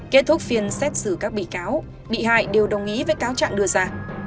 kết thúc phiên xét xử các bị cáo bị hại đều đồng ý với cáo trạng đưa ra